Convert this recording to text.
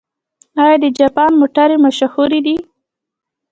آیا د جاپان موټرې مشهورې دي؟